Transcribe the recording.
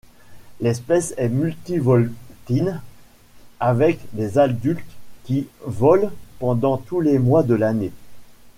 L'espèce est multivoltine, avec des adultes qui volent pendant tous les mois de l'année.